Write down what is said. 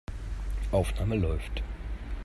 Aufnahme läuft.